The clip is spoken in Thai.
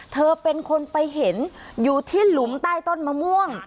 เธอเป็นคนไปเห็นอยู่ที่หลุมใต้ต้นมะม่วง